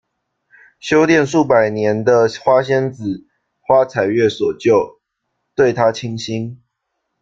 修炼数百年的花仙子花采月所救，对他倾心。